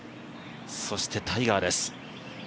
そしてタイガーです。